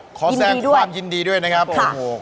ยินดีด้วยขอแสงความยินดีด้วยนะครับค่ะโอ้โฮ